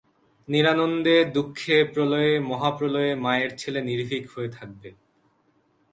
নিরানন্দে, দুঃখে, প্রলয়ে, মহাপ্রলয়ে মায়ের ছেলে নির্ভীক হয়ে থাকবে।